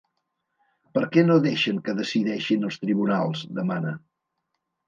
Per què no deixen que decideixin els tribunals?, demana.